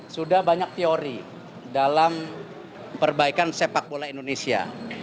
sudah banyak teori dalam perbaikan sepak bola indonesia